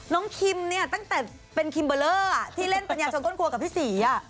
คิมเนี่ยตั้งแต่เป็นคิมเบอร์เลอร์ที่เล่นปัญญาชนต้นครัวกับพี่ศรี